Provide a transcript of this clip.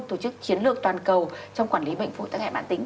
tổ chức chiến lược toàn cầu trong quản lý bệnh phối tăng hẹn bản tính